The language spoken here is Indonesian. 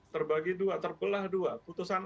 terbagi dua terbelah dua putusan